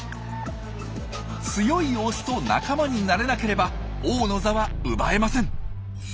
強いオスと仲間になれなければ王の座は奪えません。